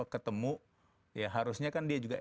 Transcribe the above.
ketemu ya harusnya kan dia juga